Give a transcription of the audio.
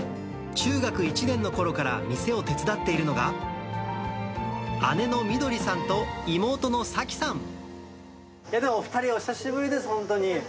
中学１年のころから店を手伝っているのが、でも、２人、お久しぶりです、本当に。